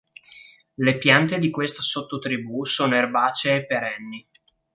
Le piante di questa sottotribù sono erbacee perenni.